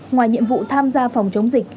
ngoài nhiệm vụ tham gia phòng chống dịch